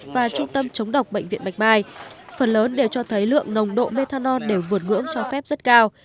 và trung tâm chống độc bệnh viện bạch mai phần lớn đều cho thấy lượng nồng độ methanol đều vượt ngưỡng cho phép rất cao